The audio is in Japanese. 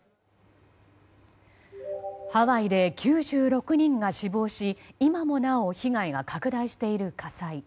ハワイで９６人が死亡し今もなお被害が拡大している火災。